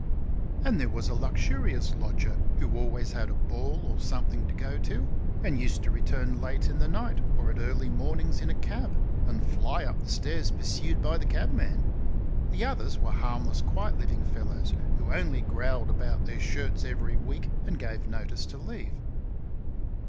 And there was a luxurious lodger who always had a ball or something to go to, and used to return late in the night or at early morning in a cab, and fly up the stairs pursued by the cabman. The others were harmless, quiet living fellows, who only growled about their shirts every week and gave notice to leave.